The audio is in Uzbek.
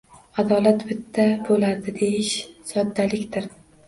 Adolat bitta bo’ladi, deyish soddalikdir.